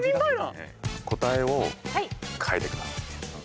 答えを書いてください。